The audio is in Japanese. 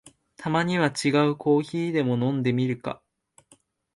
たまには違うコーヒーでも飲んでみるか